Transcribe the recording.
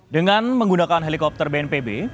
dengan menggunakan helikopter bnpb